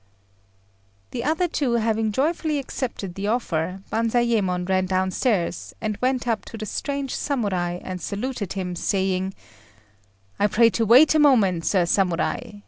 The other two having joyfully accepted the offer, Banzayémon ran downstairs, and went up to the strange Samurai and saluted him, saying "I pray you to wait a moment, Sir Samurai.